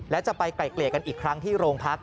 และจะไปไกลเกลี่ยกันอีกครั้งที่โรงพัก